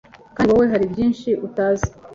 kandi wowe hari byinshi utazi,